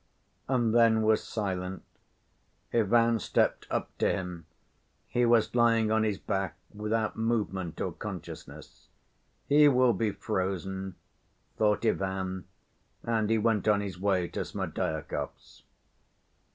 and then was silent. Ivan stepped up to him. He was lying on his back, without movement or consciousness. "He will be frozen," thought Ivan, and he went on his way to Smerdyakov's.